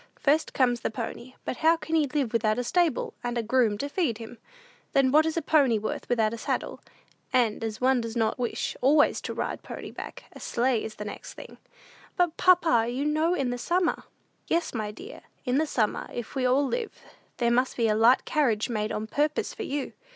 First comes the pony; but how can he live without a stable, and a groom to feed him? Then what is a pony worth without a saddle? And, as one does not wish always to ride pony back, a sleigh is the next thing." "But, papa, you know in the summer!" "Yes, my dear, in the summer, if we all live, there must be a light carriage made on purpose for you."